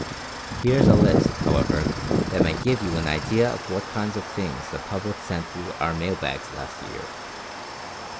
Here is a list, however, that may give you an idea of what kind of things the public sent through our mail bags last year.